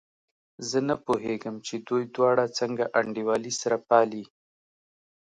زه نه پوهېږم چې دوی دواړه څنګه انډيوالي سره پالي.